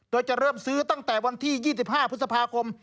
โดยจะเริ่มซื้อตั้งแต่วันที่๒๕พฤษภาคม